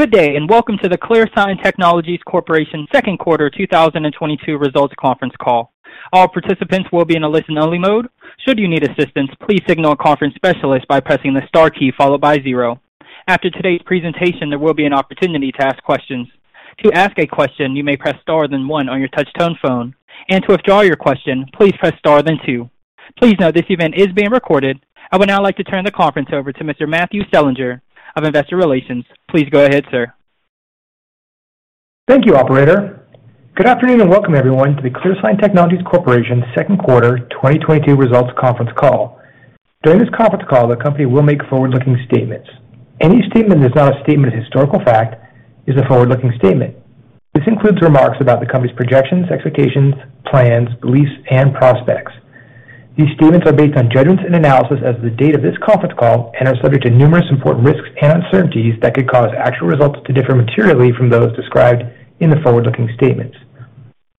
Good day, and welcome to the ClearSign Technologies Corporation second quarter 2022 results conference call. All participants will be in a listen-only mode. Should you need assistance, please signal a conference specialist by pressing the star key followed by zero. After today's presentation, there will be an opportunity to ask questions. To ask a question, you may press star then one on your touch-tone phone. To withdraw your question, please press star then two. Please note this event is being recorded. I would now like to turn the conference over to Mr. Matthew Selinger of Investor Relations. Please go ahead, sir. Thank you, operator. Good afternoon, and welcome everyone to the ClearSign Technologies Corporation second quarter 2022 results conference call. During this conference call, the company will make forward-looking statements. Any statement that is not a statement of historical fact is a forward-looking statement. This includes remarks about the company's projections, expectations, plans, beliefs, and prospects. These statements are based on judgments and analysis as of the date of this conference call and are subject to numerous important risks and uncertainties that could cause actual results to differ materially from those described in the forward-looking statements.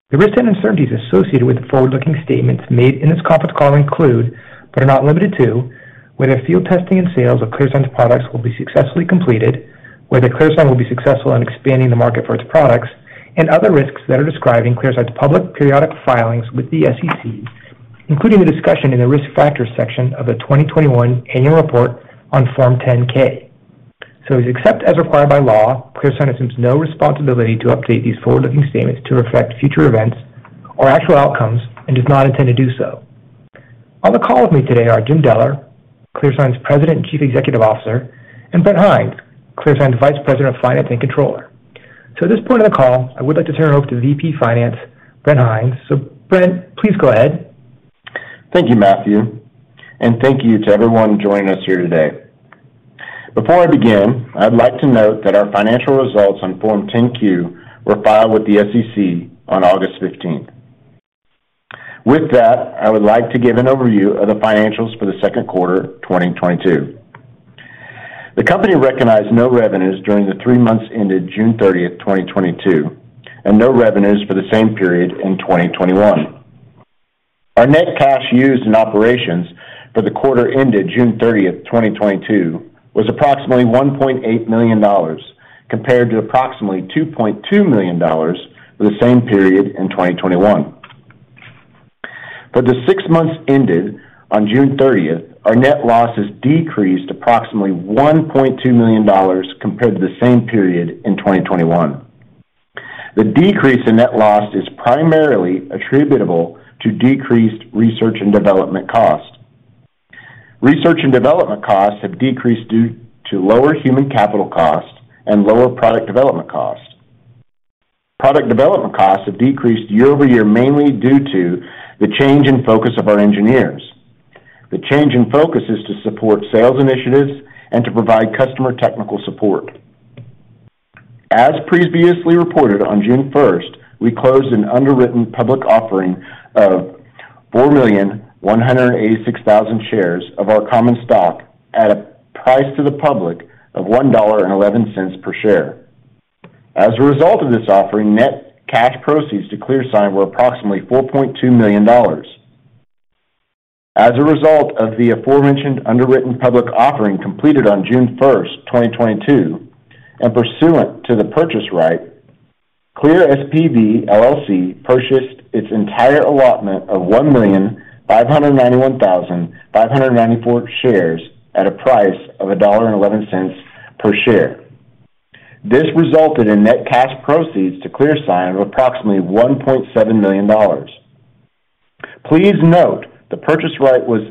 The risks and uncertainties associated with the forward-looking statements made in this conference call include, but are not limited to, whether field testing and sales of ClearSign's products will be successfully completed, whether ClearSign will be successful in expanding the market for its products, and other risks that are described in ClearSign's public periodic filings with the SEC, including the discussion in the Risk Factors section of the 2021 annual report on Form 10-K. Except as required by law, ClearSign assumes no responsibility to update these forward-looking statements to reflect future events or actual outcomes and does not intend to do so. On the call with me today are Jim Deller, ClearSign's President and Chief Executive Officer, and Brent Hinds, ClearSign's Vice President of Finance and Controller. At this point of the call, I would like to turn it over to VP Finance, Brent Hinds. Brent, please go ahead. Thank you, Matthew, and thank you to everyone joining us here today. Before I begin, I'd like to note that our financial results on Form 10-Q were filed with the SEC on August fifteenth. With that, I would like to give an overview of the financials for the second quarter 2022. The company recognized no revenues during the three months ended June 30th, 2022, and no revenues for the same period in 2021. Our net cash used in operations for the quarter ended June 30th, 2022, was approximately $1.8 million, compared to approximately $2.2 million for the same period in 2021. For the six months ended on June 30th, our net losses decreased approximately $1.2 million compared to the same period in 2021. The decrease in net loss is primarily attributable to decreased research and development costs. Research and development costs have decreased due to lower human capital costs and lower product development costs. Product development costs have decreased year-over-year, mainly due to the change in focus of our engineers. The change in focus is to support sales initiatives and to provide customer technical support. As previously reported on June 1st, we closed an underwritten public offering of 4,186,000 shares of our common stock at a price to the public of $1.11 per share. As a result of this offering, net cash proceeds to ClearSign were approximately $4.2 million. As a result of the aforementioned underwritten public offering completed on June 1, 2022, and pursuant to the purchase right, clirSPV LLC purchased its entire allotment of 1,591,594 shares at a price of $1.11 per share. This resulted in net cash proceeds to ClearSign of approximately $1.7 million. Please note the purchase right was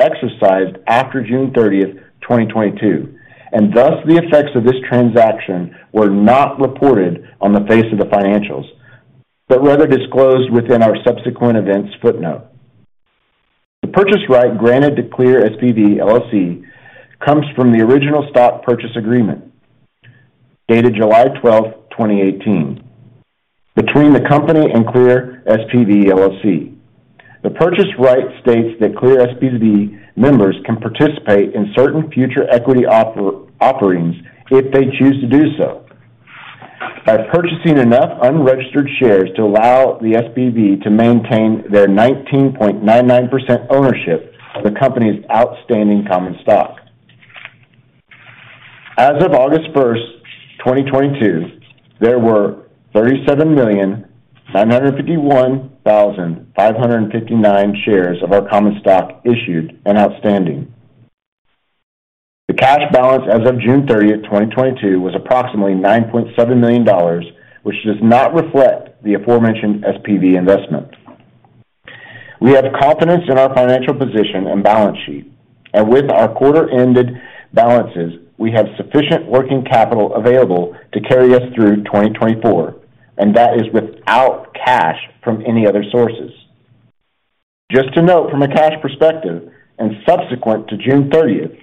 exercised after June 30th, 2022, and thus the effects of this transaction were not reported on the face of the financials, but rather disclosed within our subsequent events footnote. The purchase right granted to clirSPV LLC comes from the original stock purchase agreement, dated July 12th, 2018, between the company and clirSPV LLC. The purchase right states that ClearSign SPV members can participate in certain future equity offerings if they choose to do so by purchasing enough unregistered shares to allow the SPV to maintain their 19.99% ownership of the company's outstanding common stock. As of August 1st, 2022, there were 37,951,559 shares of our common stock issued and outstanding. The cash balance as of June 30th, 2022, was approximately $9.7 million, which does not reflect the aforementioned SPV investment. We have confidence in our financial position and balance sheet, and with our quarter ended balances, we have sufficient working capital available to carry us through 2024, and that is without cash from any other sources. Just to note from a cash perspective, and subsequent to June 30th,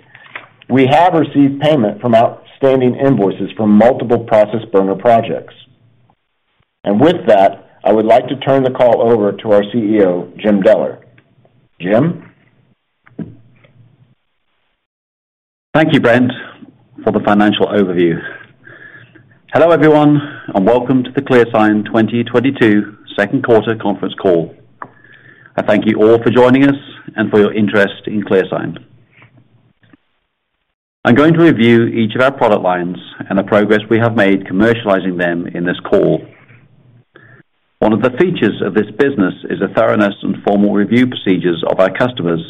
we have received payment from outstanding invoices from multiple process burner projects. With that, I would like to turn the call over to our CEO, Jim Deller. Jim? Thank you, Brent, for the financial overview. Hello, everyone, and welcome to the ClearSign 2022 second quarter conference call. I thank you all for joining us and for your interest in ClearSign. I'm going to review each of our product lines and the progress we have made commercializing them in this call. One of the features of this business is the thoroughness and formal review procedures of our customers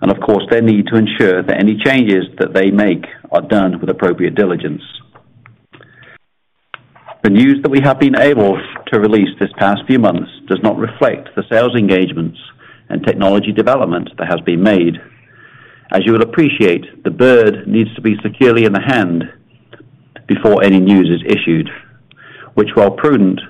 and, of course, their need to ensure that any changes that they make are done with appropriate diligence. The news that we have been able to release this past few months does not reflect the sales engagements and technology development that has been made. As you will appreciate, the bird needs to be securely in the hand before any news is issued, which, while prudent,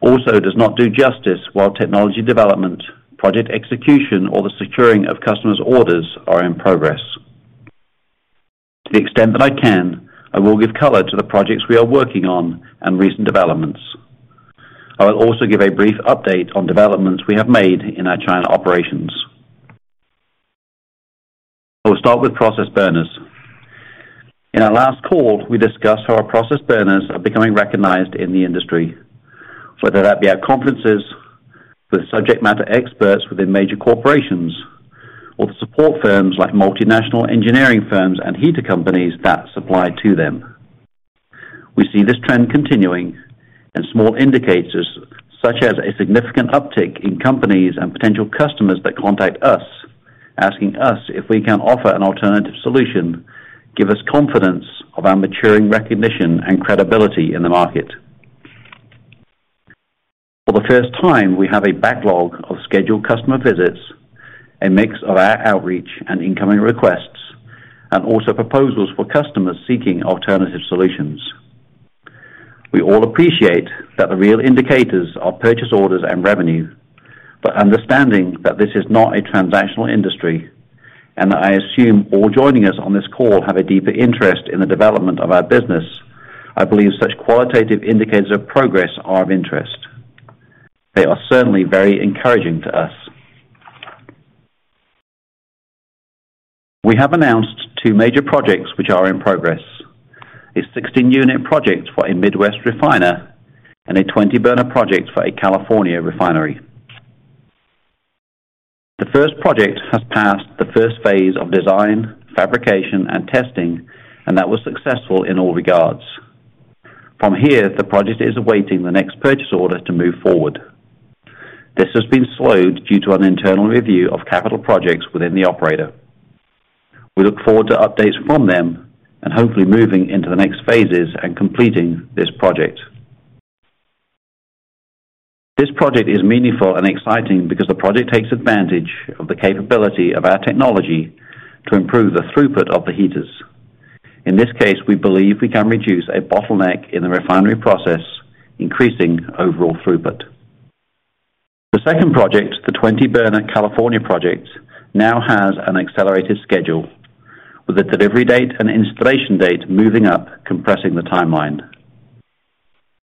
also does not do justice while technology development, project execution, or the securing of customers' orders are in progress. To the extent that I can, I will give color to the projects we are working on and recent developments. I will also give a brief update on developments we have made in our China operations. I will start with process burners. In our last call, we discussed how our process burners are becoming recognized in the industry, whether that be at conferences, with subject matter experts within major corporations, or the support firms like multinational engineering firms and heater companies that supply to them. We see this trend continuing and small indicators such as a significant uptick in companies and potential customers that contact us asking us if we can offer an alternative solution give us confidence of our maturing recognition and credibility in the market. For the first time, we have a backlog of scheduled customer visits, a mix of our outreach and incoming requests, and also proposals for customers seeking alternative solutions. We all appreciate that the real indicators are purchase orders and revenue, but understanding that this is not a transactional industry and that I assume all joining us on this call have a deeper interest in the development of our business, I believe such qualitative indicators of progress are of interest. They are certainly very encouraging to us. We have announced two major projects which are in progress, a 16-unit project for a Midwest refiner and a 20-burner project for a California refinery. The first project has passed the first phase of design, fabrication, and testing, and that was successful in all regards. From here, the project is awaiting the next purchase order to move forward. This has been slowed due to an internal review of capital projects within the operator. We look forward to updates from them and hopefully moving into the next phases and completing this project. This project is meaningful and exciting because the project takes advantage of the capability of our technology to improve the throughput of the heaters. In this case, we believe we can reduce a bottleneck in the refinery process, increasing overall throughput. The second project, the 20-burner California project, now has an accelerated schedule with a delivery date and installation date moving up, compressing the timeline.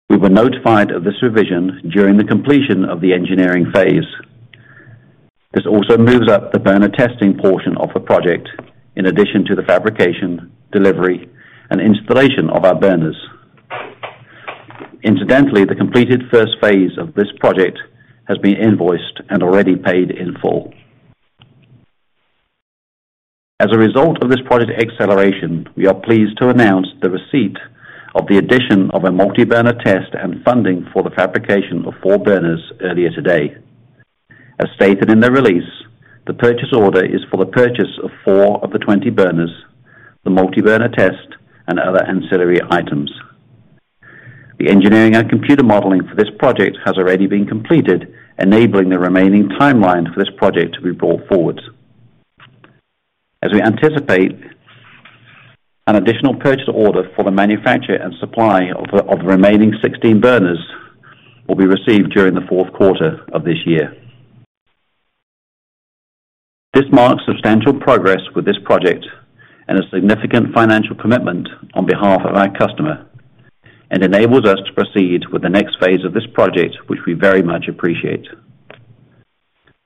We were notified of this revision during the completion of the engineering phase. This also moves up the burner testing portion of the project in addition to the fabrication, delivery, and installation of our burners. Incidentally, the completed first phase of this project has been invoiced and already paid in full. As a result of this project acceleration, we are pleased to announce the receipt of the addition of a multi-burner test and funding for the fabrication of four burners earlier today. As stated in the release, the purchase order is for the purchase of four of the 20 burners, the multi-burner test, and other ancillary items. The engineering and computer modeling for this project has already been completed, enabling the remaining timeline for this project to be brought forward. As we anticipate an additional purchase order for the manufacture and supply of the remaining 16 burners will be received during the fourth quarter of this year. This marks substantial progress with this project and a significant financial commitment on behalf of our customer and enables us to proceed with the next phase of this project, which we very much appreciate.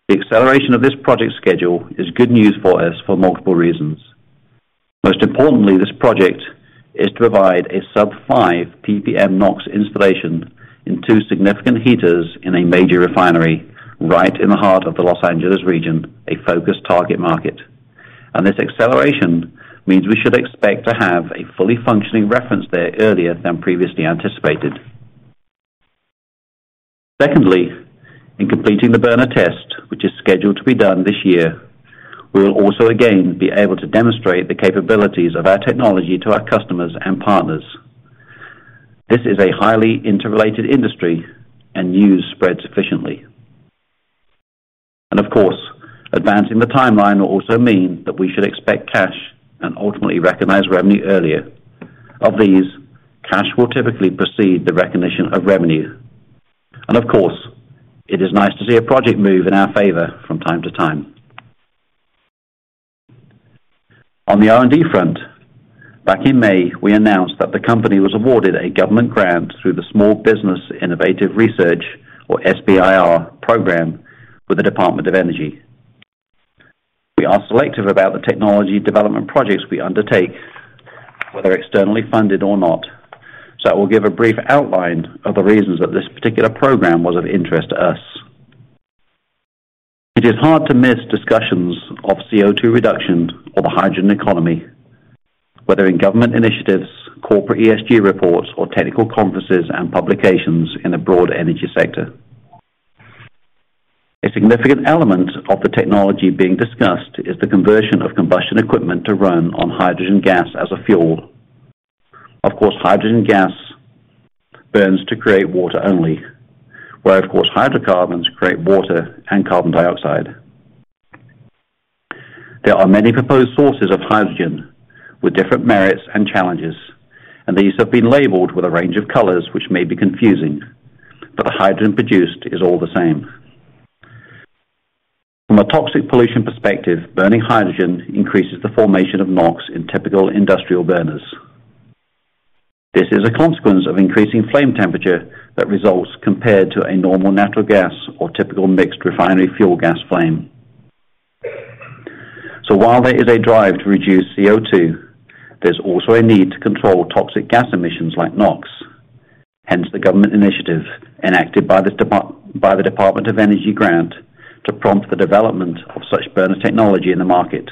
The acceleration of this project schedule is good news for us for multiple reasons. Most importantly, this project is to provide a sub-5 PPM NOx installation in two significant heaters in a major refinery right in the heart of the Los Angeles region, a focused target market. This acceleration means we should expect to have a fully functioning reference there earlier than previously anticipated. Secondly, in completing the burner test, which is scheduled to be done this year, we will also again be able to demonstrate the capabilities of our technology to our customers and partners. This is a highly interrelated industry, and news spreads efficiently. Of course, advancing the timeline will also mean that we should expect cash and ultimately recognize revenue earlier. Of these, cash will typically precede the recognition of revenue. Of course, it is nice to see a project move in our favor from time to time. On the R&D front, back in May, we announced that the company was awarded a government grant through the Small Business Innovation Research, or SBIR, program with the Department of Energy. We are selective about the technology development projects we undertake, whether externally funded or not. I will give a brief outline of the reasons that this particular program was of interest to us. It is hard to miss discussions of CO₂ reduction or the hydrogen economy, whether in government initiatives, corporate ESG reports, or technical conferences and publications in the broad energy sector. A significant element of the technology being discussed is the conversion of combustion equipment to run on hydrogen gas as a fuel. Of course, hydrogen gas burns to create water only, where, of course, hydrocarbons create water and carbon dioxide. There are many proposed sources of hydrogen with different merits and challenges, and these have been labeled with a range of colors which may be confusing, but the hydrogen produced is all the same. From a toxic pollution perspective, burning hydrogen increases the formation of NOx in typical industrial burners. This is a consequence of increasing flame temperature that results compared to a normal natural gas or typical mixed refinery fuel gas flame. While there is a drive to reduce CO₂, there's also a need to control toxic gas emissions like NOx. Hence the government initiative enacted by the Department of Energy grant to prompt the development of such burner technology in the market.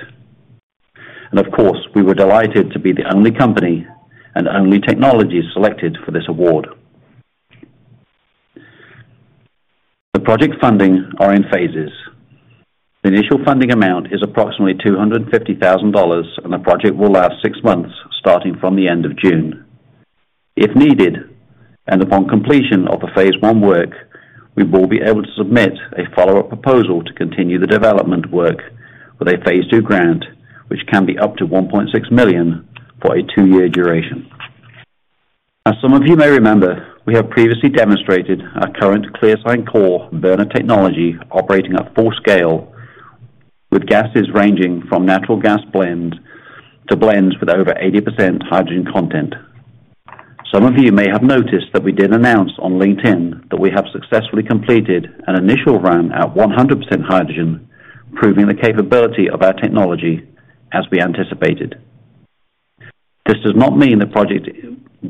Of course, we were delighted to be the only company and only technology selected for this award. The project funding are in phases. The initial funding amount is approximately $250,000, and the project will last six months, starting from the end of June. If needed, and upon completion of the phase one work, we will be able to submit a follow-up proposal to continue the development work with a phase two grant, which can be up to $1.6 million for a two-year duration. As some of you may remember, we have previously demonstrated our current ClearSign Core burner technology operating at full scale with gases ranging from natural gas blend to blends with over 80% hydrogen content. Some of you may have noticed that we did announce on LinkedIn that we have successfully completed an initial run at 100% hydrogen, proving the capability of our technology as we anticipated. This does not mean the project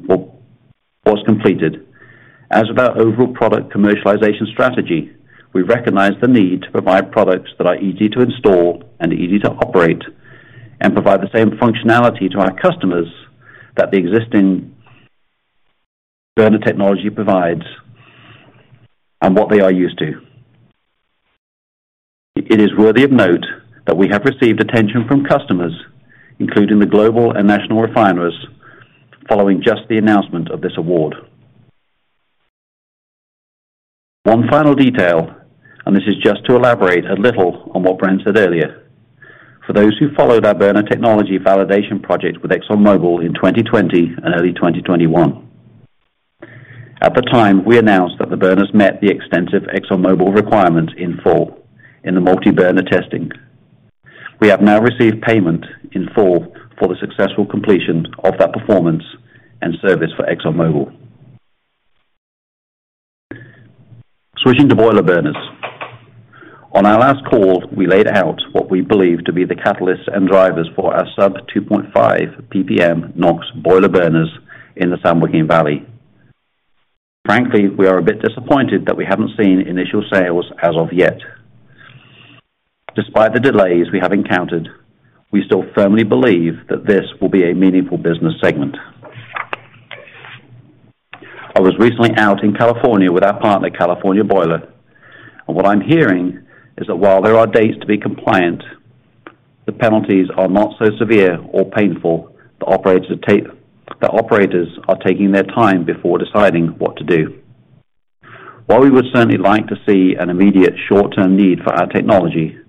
was completed. As with our overall product commercialization strategy, we recognize the need to provide products that are easy to install and easy to operate and provide the same functionality to our customers that the existing burner technology provides and what they are used to. It is worthy of note that we have received attention from customers, including the global and national refineries, following just the announcement of this award. One final detail, and this is just to elaborate a little on what Brent said earlier. For those who followed our burner technology validation project with ExxonMobil in 2020 and early 2021. At the time, we announced that the burners met the extensive ExxonMobil requirements in full in the multi-burner testing. We have now received payment in full for the successful completion of that performance and service for ExxonMobil. Switching to boiler burners. On our last call, we laid out what we believe to be the catalysts and drivers for our sub 2.5 PPM NOx boiler burners in the San Joaquin Valley. Frankly, we are a bit disappointed that we haven't seen initial sales as of yet. Despite the delays we have encountered, we still firmly believe that this will be a meaningful business segment. I was recently out in California with our partner, California Boiler, and what I'm hearing is that while there are dates to be compliant, the penalties are not so severe or painful that operators are taking their time before deciding what to do. While we would certainly like to see an immediate short-term need for our technology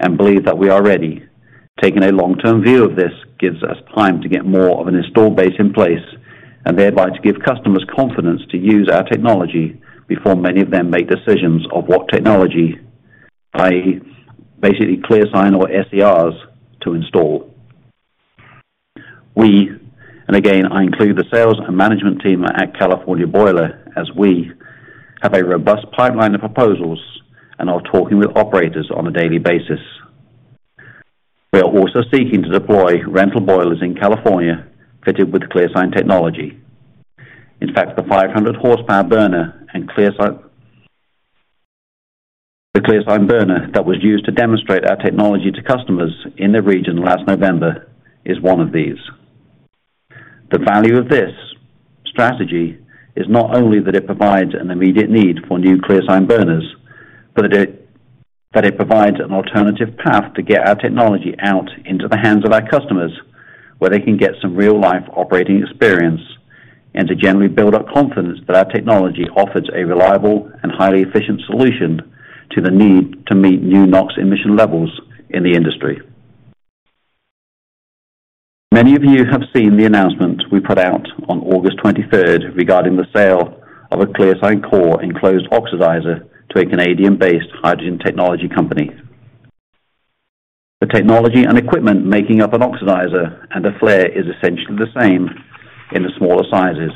and believe that we are ready, taking a long-term view of this gives us time to get more of an installed base in place, and thereby to give customers confidence to use our technology before many of them make decisions of what technology, i.e., basically ClearSign or SCRs to install. We, and again, I include the sales and management team at California Boiler as we, have a robust pipeline of proposals and are talking with operators on a daily basis. We are also seeking to deploy rental boilers in California fitted with ClearSign technology. In fact, the 500-horsepower burner and ClearSign, the ClearSign burner that was used to demonstrate our technology to customers in the region last November is one of these. The value of this strategy is not only that it provides an immediate need for new ClearSign burners, but it provides an alternative path to get our technology out into the hands of our customers, where they can get some real-life operating experience and to generally build up confidence that our technology offers a reliable and highly efficient solution to the need to meet new NOx emission levels in the industry. Many of you have seen the announcement we put out on August 23rd regarding the sale of a ClearSign Core enclosed oxidizer to a Canadian-based hydrogen technology company. The technology and equipment making up an oxidizer and a flare is essentially the same in the smaller sizes.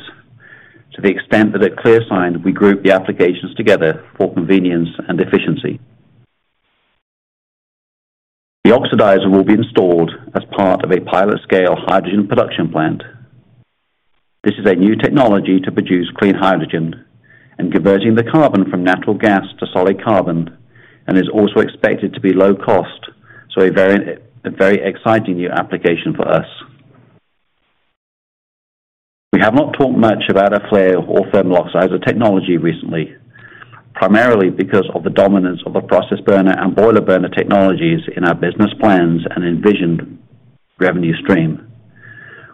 To the extent that at ClearSign, we group the applications together for convenience and efficiency. The oxidizer will be installed as part of a pilot-scale hydrogen production plant. This is a new technology to produce clean hydrogen and converting the carbon from natural gas to solid carbon and is also expected to be low cost. A very exciting new application for us. We have not talked much about our flare or thermal oxidizer technology recently, primarily because of the dominance of the process burner and boiler burner technologies in our business plans and envisioned revenue stream.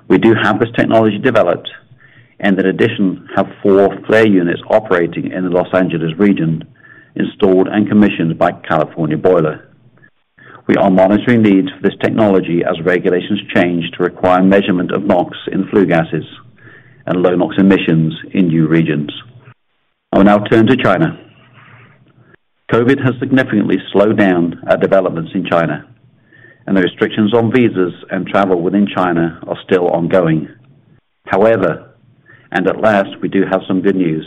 We do have this technology developed and in addition have four flare units operating in the Los Angeles region installed and commissioned by California Boiler. We are monitoring needs for this technology as regulations change to require measurement of NOx in flue gases and low NOx emissions in new regions. I will now turn to China. COVID has significantly slowed down our developments in China, and the restrictions on visas and travel within China are still ongoing. However, and at last, we do have some good news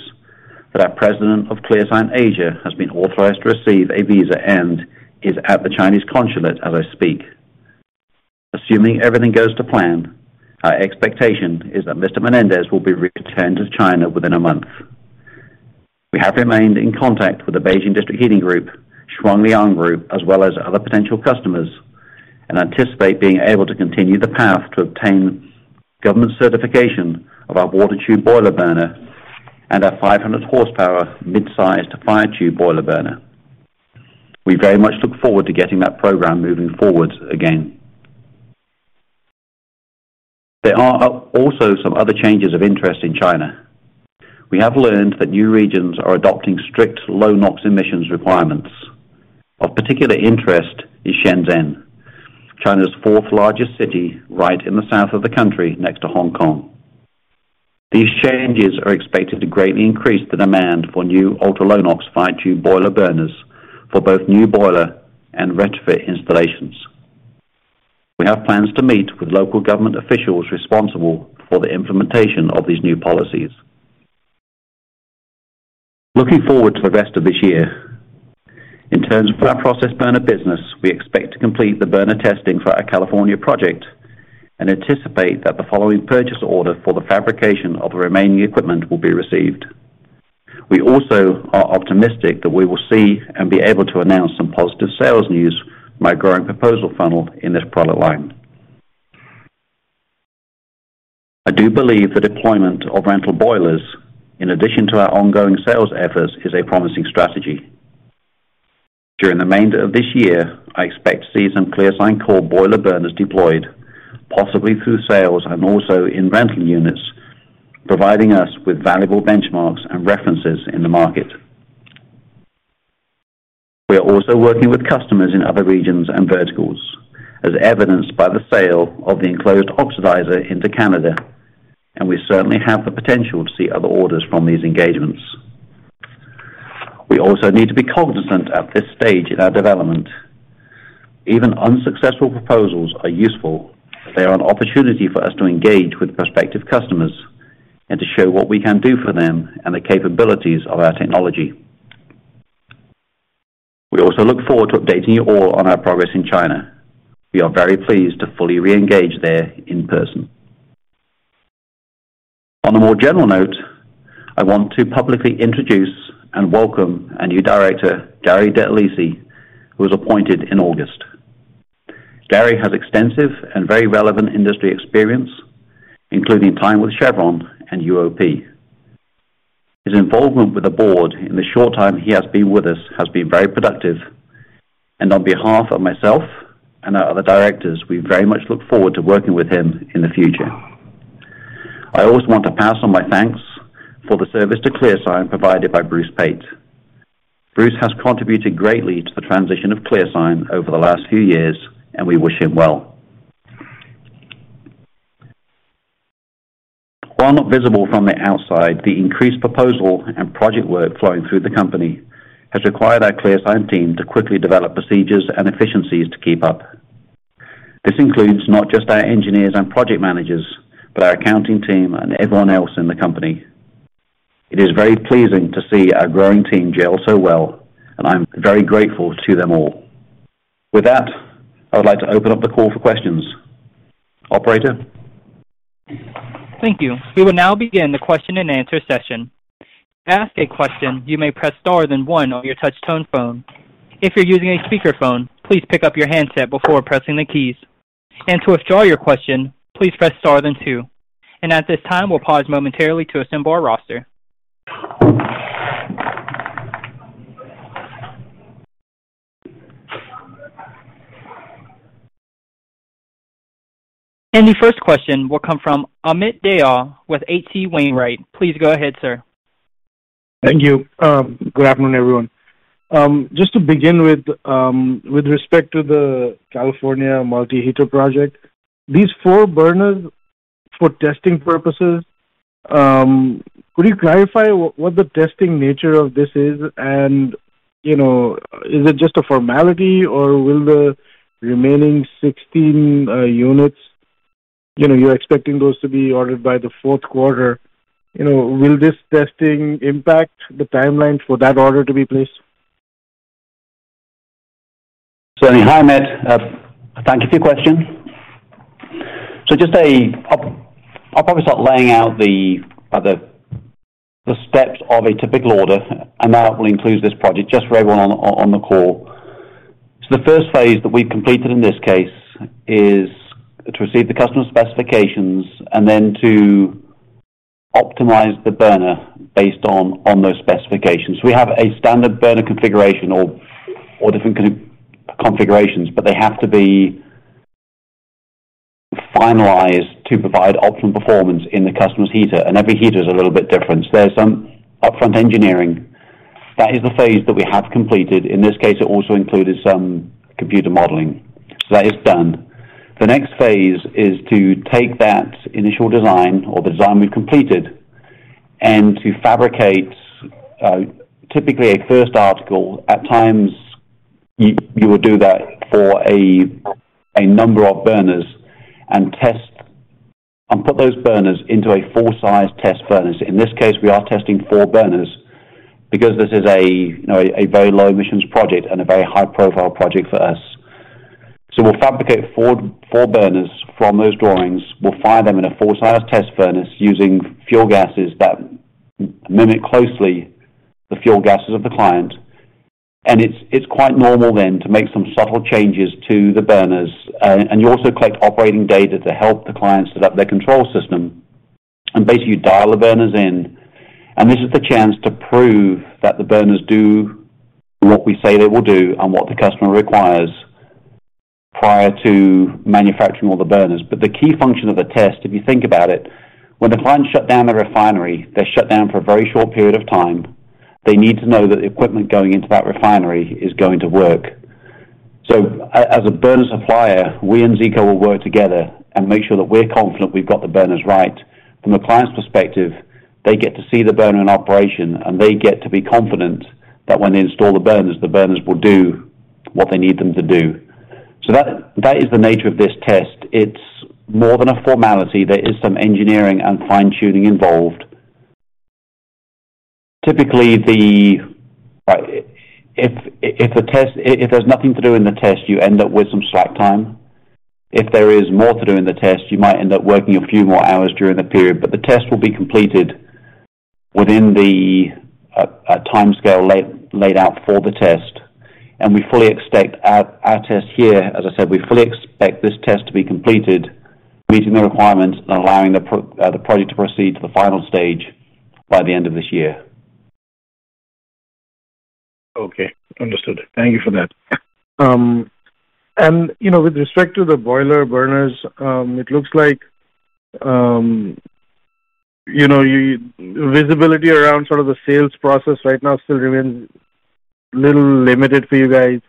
that our president of ClearSign Asia has been authorized to receive a visa and is at the Chinese consulate as I speak. Assuming everything goes to plan, our expectation is that Mr. Menendez will be returned to China within a month. We have remained in contact with the Beijing District Heating Group, Shuangliang Group, as well as other potential customers, and anticipate being able to continue the path to obtain government certification of our water tube boiler burner and our 500 horsepower mid-sized fire tube boiler burner. We very much look forward to getting that program moving forward again. There are also some other changes of interest in China. We have learned that new regions are adopting strict low-NOx emissions requirements. Of particular interest is Shenzhen, China's fourth-largest city, right in the south of the country next to Hong Kong. These changes are expected to greatly increase the demand for new ultra low-NOx fire tube boiler burners for both new boiler and retrofit installations. We have plans to meet with local government officials responsible for the implementation of these new policies. Looking forward to the rest of this year. In terms of our process burner business, we expect to complete the burner testing for our California project and anticipate that the following purchase order for the fabrication of the remaining equipment will be received. We also are optimistic that we will see and be able to announce some positive sales news from our growing proposal funnel in this product line. I do believe the deployment of rental boilers in addition to our ongoing sales efforts is a promising strategy. During the remainder of this year, I expect to see some ClearSign Core boiler burners deployed possibly through sales and also in rental units, providing us with valuable benchmarks and references in the market. We are also working with customers in other regions and verticals, as evidenced by the sale of the enclosed oxidizer into Canada, and we certainly have the potential to see other orders from these engagements. We also need to be cognizant at this stage in our development. Even unsuccessful proposals are useful. They are an opportunity for us to engage with prospective customers and to show what we can do for them and the capabilities of our technology. We also look forward to updating you all on our progress in China. We are very pleased to fully reengage there in person. On a more general note, I want to publicly introduce and welcome our new director, Gary J. DiElsi, who was appointed in August. Gary has extensive and very relevant industry experience, including time with Chevron and UOP. His involvement with the board in the short time he has been with us has been very productive. On behalf of myself and our other directors, we very much look forward to working with him in the future. I also want to pass on my thanks for the service to ClearSign provided by Bruce Pate. Bruce has contributed greatly to the transition of ClearSign over the last few years, and we wish him well. While not visible from the outside, the increased proposal and project work flowing through the company has required our ClearSign team to quickly develop procedures and efficiencies to keep up. This includes not just our engineers and project managers, but our accounting team and everyone else in the company. It is very pleasing to see our growing team gel so well, and I'm very grateful to them all. With that, I would like to open up the call for questions. Operator? Thank you. We will now begin the question-and-answer session. To ask a question, you may press star then one on your touchtone phone. If you're using a speakerphone, please pick up your handset before pressing the keys. To withdraw your question, please press star then two. At this time, we'll pause momentarily to assemble our roster. Your first question will come from Amit Dayal with H.C. Wainwright. Please go ahead, sir. Thank you. Good afternoon, everyone. Just to begin with respect to the California multi-heater project, these four burners for testing purposes, could you clarify what the testing nature of this is and you know, is it just a formality or will the remaining 16 units, you know, you're expecting those to be ordered by the fourth quarter? You know, will this testing impact the timeline for that order to be placed? Certainly. Hi, Amit. Thank you for your question. I'll probably start laying out the steps of a typical order, and that will include this project just for everyone on the call. The first phase that we've completed in this case is to receive the customer specifications and then to optimize the burner based on those specifications. We have a standard burner configuration or different configurations, but they have to be finalized to provide optimal performance in the customer's heater. Every heater is a little bit different. There's some upfront engineering. That is the phase that we have completed. In this case, it also included some computer modeling. That is done. The next phase is to take that initial design or the design we've completed and to fabricate typically a first article. At times, you will do that for a number of burners and put those burners into a full-size test furnace. In this case, we are testing four burners because this is a, you know, a very low emissions project and a very high-profile project for us. We'll fabricate four burners from those drawings. We'll fire them in a full-size test furnace using fuel gases that mimic closely the fuel gases of the client. It's quite normal then to make some subtle changes to the burners. You also collect operating data to help the client set up their control system. Basically, you dial the burners in. This is the chance to prove that the burners do what we say they will do and what the customer requires prior to manufacturing all the burners. The key function of the test, if you think about it, when the clients shut down the refinery, they shut down for a very short period of time. They need to know that the equipment going into that refinery is going to work. As a burner supplier, we and Zeeco will work together and make sure that we're confident we've got the burners right. From the client's perspective, they get to see the burner in operation, and they get to be confident that when they install the burners, the burners will do what they need them to do. That is the nature of this test. It's more than a formality. There is some engineering and fine-tuning involved. If there's nothing to do in the test, you end up with some slack time. If there is more to do in the test, you might end up working a few more hours during the period. The test will be completed within the timescale laid out for the test. We fully expect our test here, as I said, we fully expect this test to be completed, meeting the requirements and allowing the project to proceed to the final stage by the end of this year. Okay. Understood. Thank you for that. You know, with respect to the boiler burners, it looks like, you know, visibility around sort of the sales process right now still remains a little limited for you guys.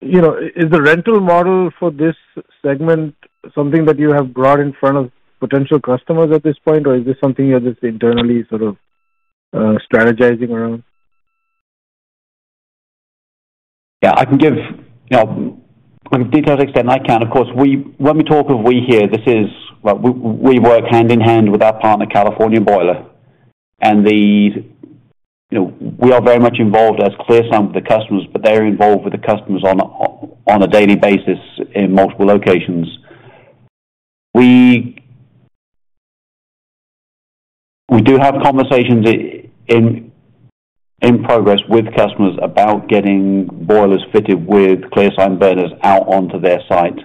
You know, is the rental model for this segment something that you have brought in front of potential customers at this point, or is this something you're just internally sort of strategizing around? Yeah. I can give, you know, in detail to the extent I can. Of course, when we talk of we here, this is well, we work hand in hand with our partner, California Boiler. You know, we are very much involved as ClearSign with the customers, but they're involved with the customers on a daily basis in multiple locations. We do have conversations in progress with customers about getting boilers fitted with ClearSign burners out onto their site.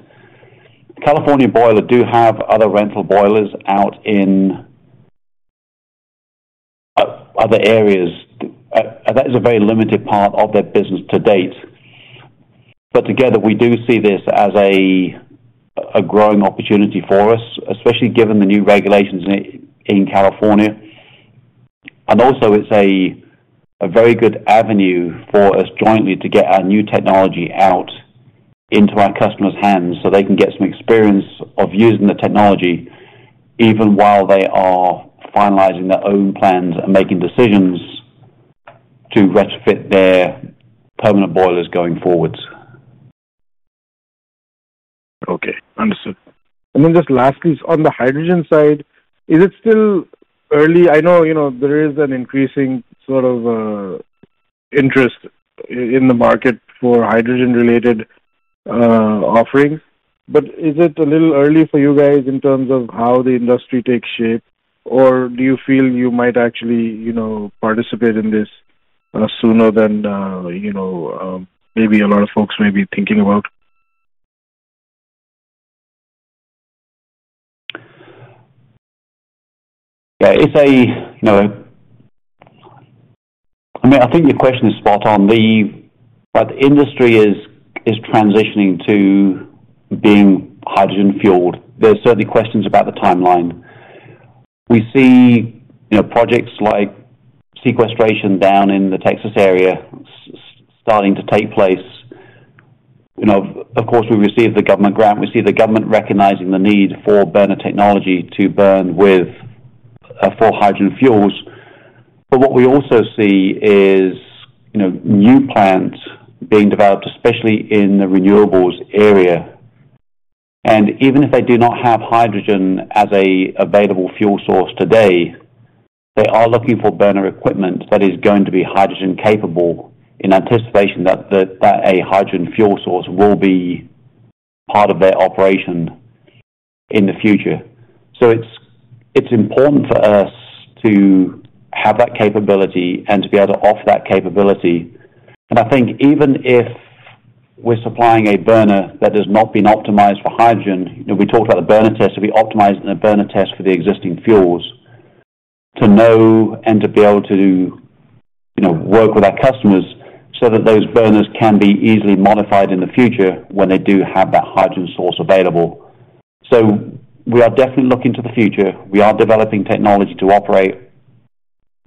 California Boiler do have other rental boilers out in other areas. That is a very limited part of their business to date. Together, we do see this as a growing opportunity for us, especially given the new regulations in California. It's a very good avenue for us jointly to get our new technology out into our customers' hands so they can get some experience of using the technology even while they are finalizing their own plans and making decisions to retrofit their permanent boilers going forward. Okay. Understood. Just lastly, on the hydrogen side, is it still early? I know, you know, there is an increasing sort of, interest in the market for hydrogen-related, offerings. Is it a little early for you guys in terms of how the industry takes shape? Do you feel you might actually, you know, participate in this, sooner than, you know, maybe a lot of folks may be thinking about? Yeah. No. I mean, I think your question is spot on. The industry is transitioning to being hydrogen fueled. There are certainly questions about the timeline. We see, you know, projects like sequestration down in the Texas area starting to take place. You know, of course, we receive the government grant. We see the government recognizing the need for burner technology to burn with for hydrogen fuels. What we also see is, you know, new plants being developed, especially in the renewables area. Even if they do not have hydrogen as an available fuel source today, they are looking for burner equipment that is going to be hydrogen capable in anticipation that a hydrogen fuel source will be part of their operation in the future. It's important for us to have that capability and to be able to offer that capability. I think even if we're supplying a burner that has not been optimized for hydrogen, you know, we talked about the burner test, that we optimized in a burner test for the existing fuels. To know and to be able to, you know, work with our customers so that those burners can be easily modified in the future when they do have that hydrogen source available. We are definitely looking to the future. We are developing technology to operate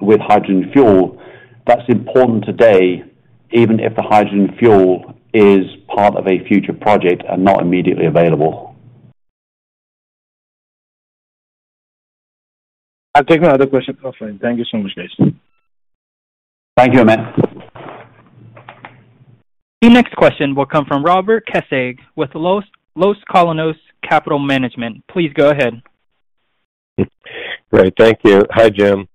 with hydrogen fuel. That's important today, even if the hydrogen fuel is part of a future project and not immediately available. I'll take my other question offline. Thank you so much, guys. Thank you, Amit. The next question will come from Robert Kecskes with Las Colinas Capital Management. Please go ahead. Great. Thank you. Hi, Jim.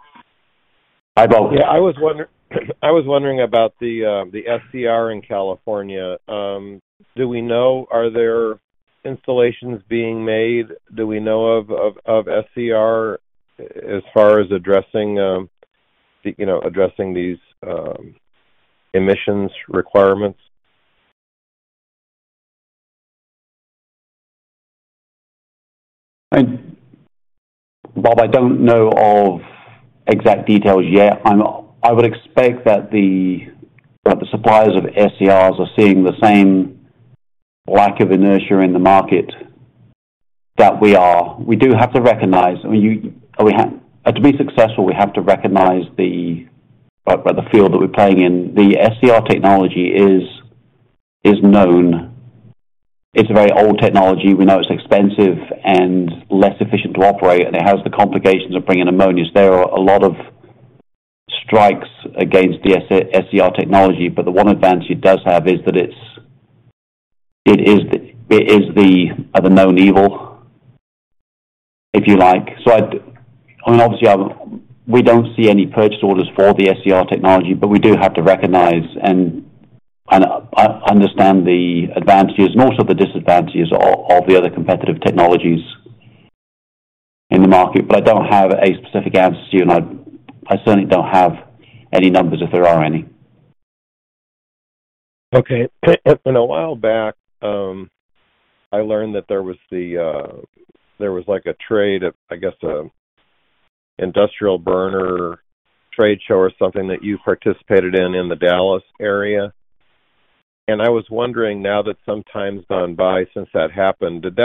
Hi, Bob. Yeah, I was wondering about the SCR in California. Do we know are there installations being made that we know of SCR as far as addressing you know addressing these emissions requirements? Bob, I don't know of exact details yet. I would expect that the suppliers of SCRs are seeing the same lack of inertia in the market that we are. We do have to recognize. To be successful, we have to recognize the field that we're playing in. The SCR technology is known. It's a very old technology. We know it's expensive and less efficient to operate, and it has the complications of bringing ammonia. There are a lot of strikes against the SCR technology, but the one advantage it does have is that it is the known evil, if you like. I mean, obviously, we don't see any purchase orders for the SCR technology, but we do have to recognize and understand the advantages and also the disadvantages of the other competitive technologies in the market. I don't have a specific answer to you, and I certainly don't have any numbers, if there are any. Okay. A while back, I learned that there was like a trade show, I guess, an industrial burner trade show or something that you participated in in the Dallas area. I was wondering now that some time's gone by since that happened, did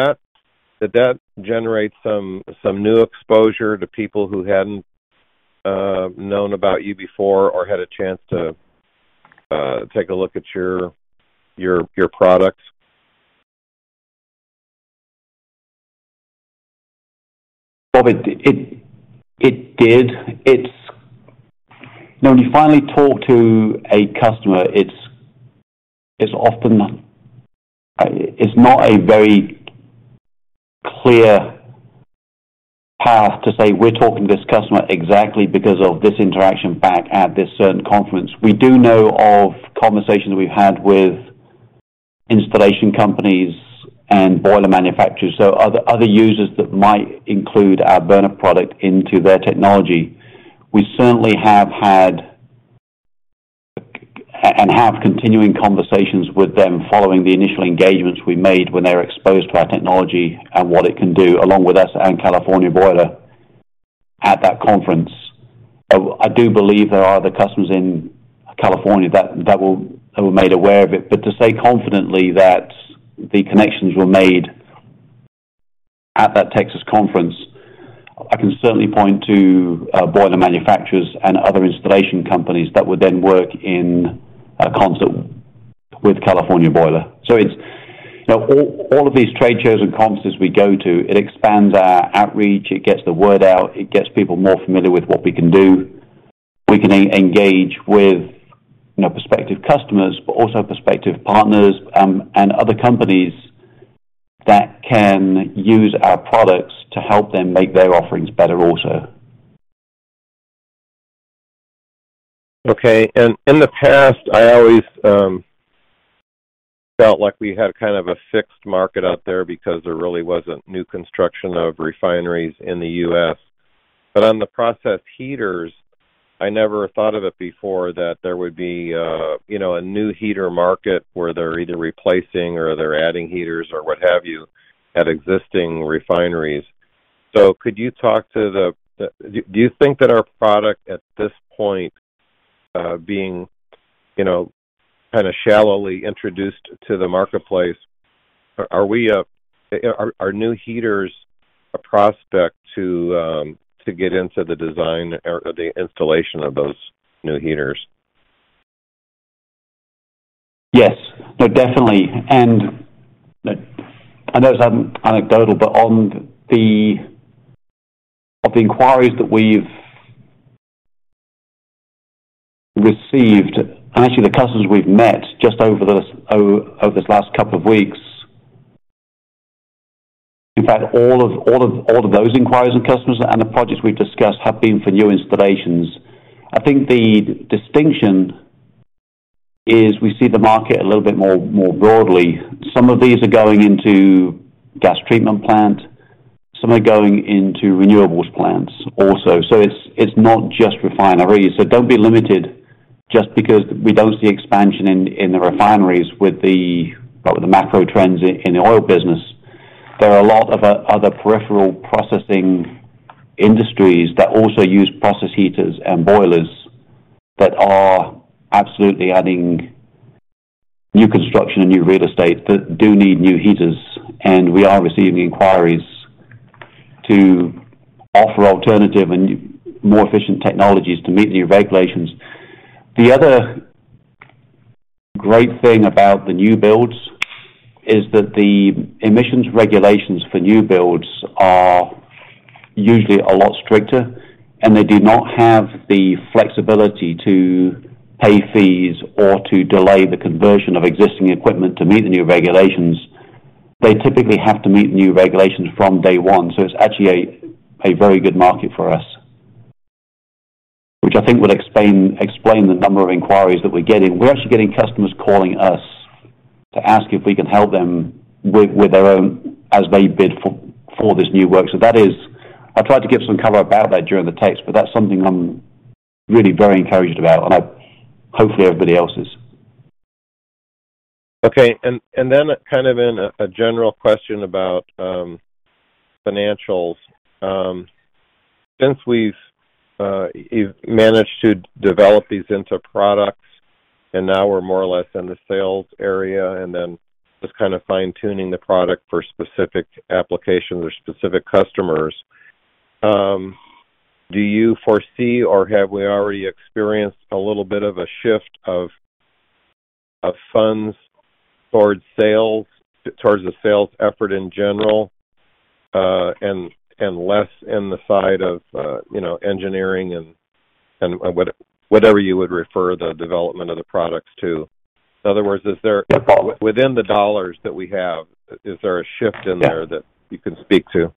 that generate some new exposure to people who hadn't known about you before or had a chance to take a look at your products? Well, it did. When you finally talk to a customer, it's often not a very clear path to say we're talking to this customer exactly because of this interaction back at this certain conference. We do know of conversations we've had with installation companies and boiler manufacturers, so other users that might include our burner product into their technology. We certainly have had and have continuing conversations with them following the initial engagements we made when they were exposed to our technology and what it can do along with us and California Boiler at that conference. I do believe there are other customers in California that were made aware of it. To say confidently that the connections were made at that Texas conference, I can certainly point to boiler manufacturers and other installation companies that would then work in concert with California Boiler. It's, you know, all of these trade shows and conferences we go to. It expands our outreach, it gets the word out, it gets people more familiar with what we can do. We can engage with, you know, prospective customers, but also prospective partners, and other companies that can use our products to help them make their offerings better also. Okay. In the past, I always felt like we had kind of a fixed market out there because there really wasn't new construction of refineries in the U.S. On the process heaters, I never thought of it before that there would be a new heater market where they're either replacing or they're adding heaters or what have you at existing refineries. Do you think that our product at this point, being kinda shallowly introduced to the marketplace, are new heaters a prospect to get into the design or the installation of those new heaters? Yes. No, definitely. I know it's anecdotal, but on the basis of the inquiries that we've received, and actually the customers we've met just over this last couple of weeks, in fact, all of those inquiries and customers and the projects we've discussed have been for new installations. I think the distinction is we see the market a little bit more broadly. Some of these are going into gas treatment plant, some are going into renewables plants also. It's not just refineries. Don't be limited just because we don't see expansion in the refineries with the macro trends in the oil business. There are a lot of other peripheral processing industries that also use process heaters and boilers that are absolutely adding new construction and new real estate that do need new heaters. We are receiving inquiries to offer alternative and more efficient technologies to meet new regulations. The other great thing about the new builds is that the emissions regulations for new builds are usually a lot stricter, and they do not have the flexibility to pay fees or to delay the conversion of existing equipment to meet the new regulations. They typically have to meet new regulations from day one. It's actually a very good market for us. Which I think would explain the number of inquiries that we're getting. We're actually getting customers calling us to ask if we can help them with their own as they bid for this new work. I tried to give some color about that during the text, but that's something I'm really very encouraged about and I hope everybody else is. Okay. Kind of a general question about financials. Since you've managed to develop these into products, and now we're more or less in the sales area and then just kinda fine-tuning the product for specific applications or specific customers, do you foresee or have we already experienced a little bit of a shift of funds towards the sales effort in general, and less in the side of you know, engineering and whatever you would refer the development of the products to? In other words, is there. Yeah. Within the dollars that we have, is there a shift in there? Yeah. That you can speak to?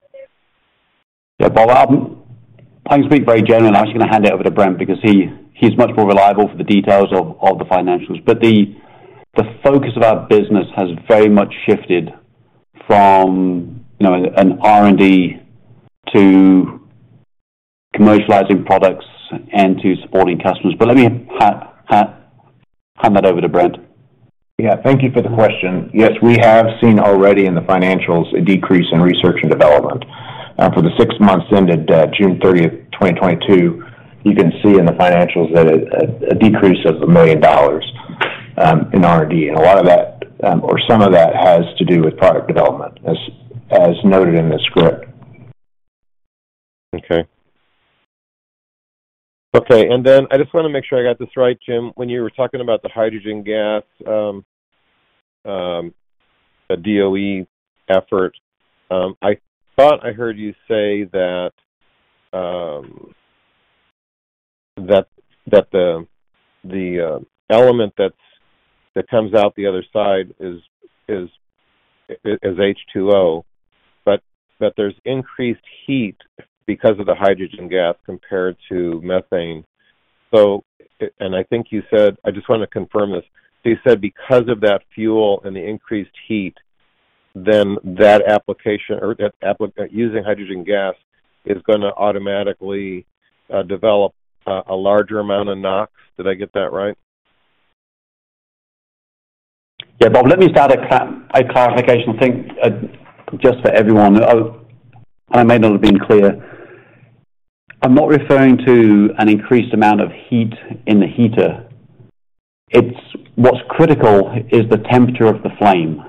Yeah. Bob, I can speak very generally. I'm just gonna hand it over to Brent because he's much more reliable for the details of the financials. The focus of our business has very much shifted from, you know, an R&D to commercializing products and to supporting customers. Let me hand that over to Brent. Yeah. Thank you for the question. Yes, we have seen already in the financials a decrease in research and development. For the six months ended June 30th, 2022, you can see in the financials that a decrease of $1 million in R&D. A lot of that, or some of that has to do with product development, as noted in the script. Okay. Then I just wanna make sure I got this right, Jim. When you were talking about the hydrogen gas, a DOE effort, I thought I heard you say that the element that comes out the other side is H2O, but that there's increased heat because of the hydrogen gas compared to methane. I just wanna confirm this. You said because of that fuel and the increased heat, then that application using hydrogen gas is gonna automatically develop a larger amount of NOx. Did I get that right? Yeah. Bob, let me start a clarification thing, just for everyone. I may not have been clear. I'm not referring to an increased amount of heat in the heater. What's critical is the temperature of the flame.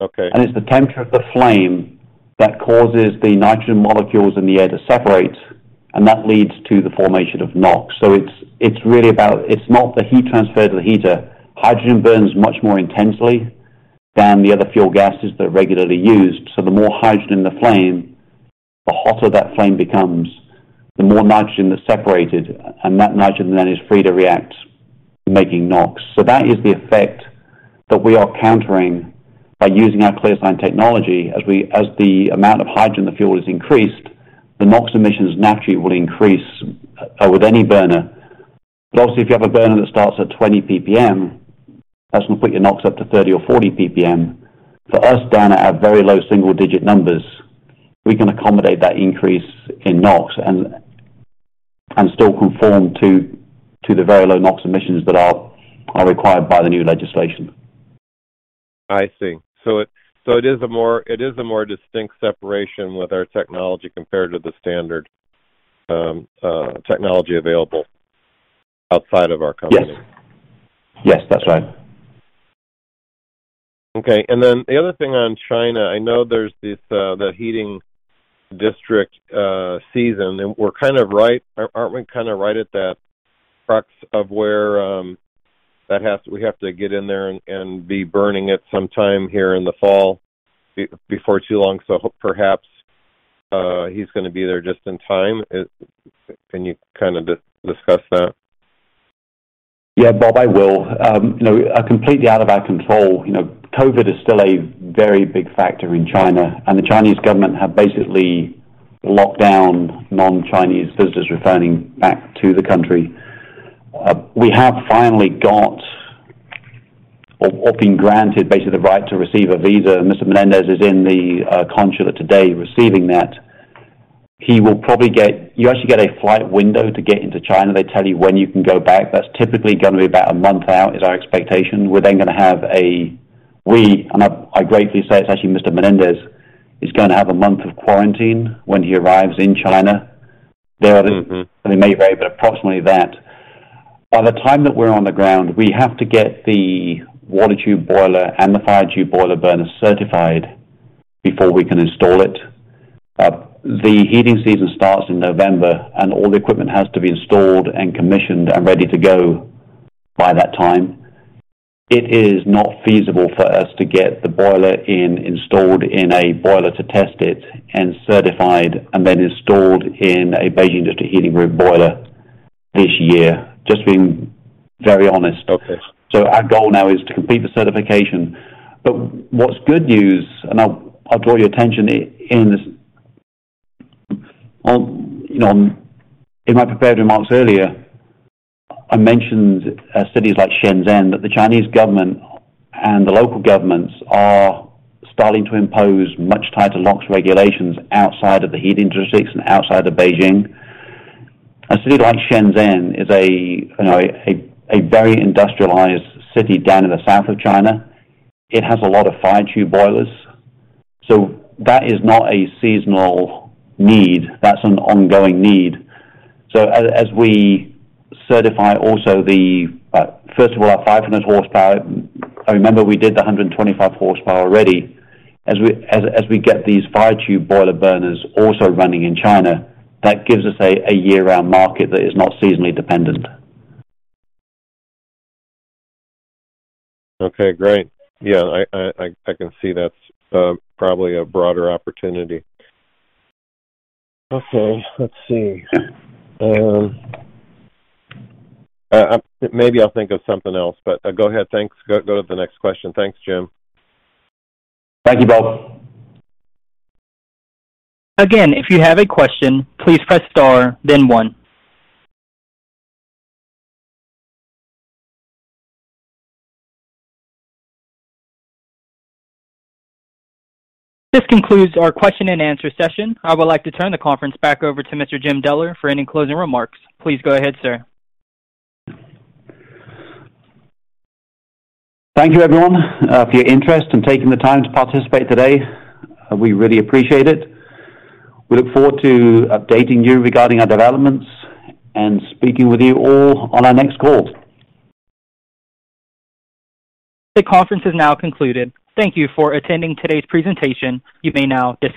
Okay. It's the temperature of the flame that causes the nitrogen molecules in the air to separate, and that leads to the formation of NOx. It's really about. It's not the heat transferred to the heater. Hydrogen burns much more intensely than the other fuel gases that are regularly used. The more hydrogen in the flame, the hotter that flame becomes, the more nitrogen that's separated, and that nitrogen then is free to react making NOx. That is the effect that we are countering by using our ClearSign technology. As the amount of hydrogen in the fuel is increased, the NOx emissions naturally will increase with any burner. Obviously, if you have a burner that starts at 20 PPM, that's gonna put your NOx up to 30 or 40 PPM. For us, down at our very low single-digit numbers, we can accommodate that increase in NOx and still conform to the very low NOx emissions that are required by the new legislation. I see. It is a more distinct separation with our technology compared to the standard technology available outside of our company? Yes. Yes, that's right. Okay. The other thing on China, I know there's this, the district heating season and we're kind of right, aren't we kinda right at that crux of where, we have to get in there and be burning it some time here in the fall before too long. Perhaps, he's gonna be there just in time. Can you kinda discuss that? Yeah, Bob, I will. You know, completely out of our control. You know, COVID is still a very big factor in China, and the Chinese government have basically locked down non-Chinese visitors returning back to the country. We have finally been granted basically the right to receive a visa. Mr. Menendez is in the consulate today receiving that. He will probably get. You actually get a flight window to get into China. They tell you when you can go back. That's typically gonna be about a month out, is our expectation. We're then gonna have, and I gratefully say it's actually Mr. Menendez, is gonna have a month of quarantine when he arrives in China. Mm-hmm. There are others, and it may vary, but approximately that. By the time that we're on the ground, we have to get the water tube boiler and the fire tube boiler burner certified before we can install it. The heating season starts in November, and all the equipment has to be installed and commissioned and ready to go by that time. It is not feasible for us to get the boiler in, installed in a boiler to test it and certified, and then installed in a Beijing District Heating room boiler this year. Just being very honest. Okay. Our goal now is to complete the certification. What's good news, and I'll draw your attention in this. You know, in my prepared remarks earlier, I mentioned cities like Shenzhen, that the Chinese government and the local governments are starting to impose much tighter NOx regulations outside of the heating industries and outside of Beijing. A city like Shenzhen is, you know, a very industrialized city down in the south of China. It has a lot of fire tube boilers. That is not a seasonal need. That's an ongoing need. As we certify also the first of all, our 500 horsepower, I remember we did the 125 horsepower already. As we get these fire tube boiler burners also running in China, that gives us a year-round market that is not seasonally dependent. Okay, great. Yeah, I can see that's probably a broader opportunity. Okay, let's see. Maybe I'll think of something else, but go ahead. Thanks. Go to the next question. Thanks, Jim. Thank you, Bob. Again, if you have a question, please press star then one. This concludes our question and answer session. I would like to turn the conference back over to Mr. Jim Deller for any closing remarks. Please go ahead, sir. Thank you, everyone, for your interest and taking the time to participate today. We really appreciate it. We look forward to updating you regarding our developments and speaking with you all on our next call. The conference has now concluded. Thank you for attending today's presentation. You may now disconnect.